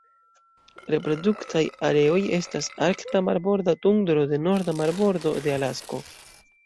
Reproduktaj areoj estas Arkta marborda tundro de norda marbordo de Alasko.